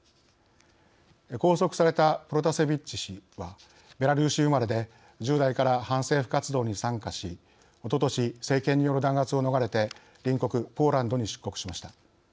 拘束されたプロタセビッチ氏はベラルーシ生まれで１０代から反政府活動に参加しおととし政権による弾圧を逃れて隣国ポーランドに出国しました。